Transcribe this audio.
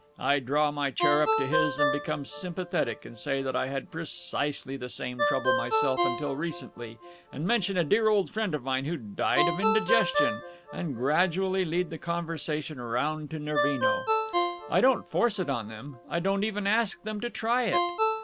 I draw my chair up to his and become sympathetic and say that I had precisely the same trouble myself until recently, and mention a dear old friend of mine who died of indigestion, and gradually lead the conversation round to Nervino. I don't force it on them. I don't even ask them, to try it.